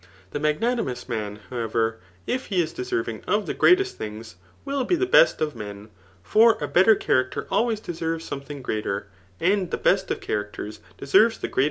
The n^gnanimous man, however,, if he is deserving of the greatest things, will be the best of men; for a better character always deserves some thing fv^^r, and the best ^f characters deserves the Arist.